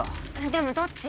でもどっち？